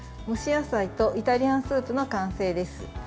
蒸し野菜＆イタリアンスープの完成です。